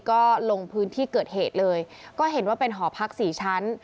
ก็ลงพื้นที่เกิดเหตุเลยก็เห็นว่าเป็นหอพักสี่ชั้น